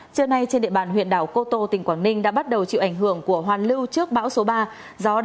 trưa nay trên địa bàn huyện đảo cô tô tỉnh quảng ninh đã bắt đầu chịu ảnh hưởng của hoàn lưu trước bão số ba